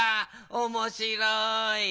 おもしろい。